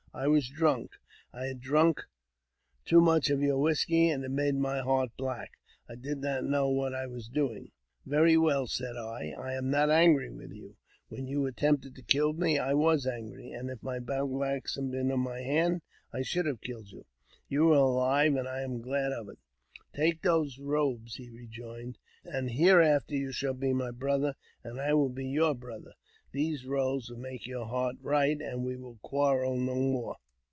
I was drunk ; I had drunk too much of your whisky, and it made my heart black. I did not know what I was doing." "Very well," said I; *'I am not angry with you. When you attempted to kill me I was angry, and if my battle axe had been in my hand, I should have killed you. You are alive, and I am glad of it." " Take those robes," he rejoined, '* and hereafter you shall be my brother, and I will be your brother. Those robes will make your heart right, and we will quarrel no more."